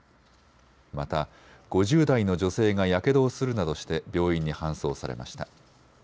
また５０代の女性がやけどをするなどして病院に搬送されました。